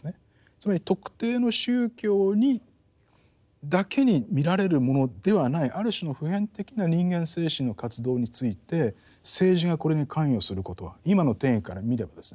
つまり特定の宗教にだけに見られるものではないある種の普遍的な人間精神の活動について政治がこれに関与することは今の定義から見ればですね